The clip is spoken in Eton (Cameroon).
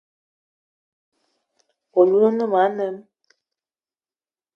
Oloun o ne ma anem.